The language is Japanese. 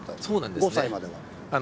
５歳までは。